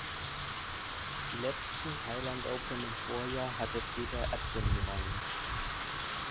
Die letzten "Thailand Open" im Vorjahr hatte Peter Ebdon gewonnen.